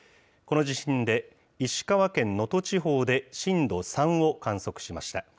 この地震で石川県能登地方で震度３を観測しました。